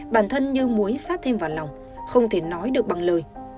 bản thân như muối sát thêm vào lòng không thể nói được bằng lời